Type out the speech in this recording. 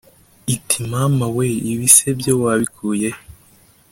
iti: “mama we! ibi se byo wabikuye he?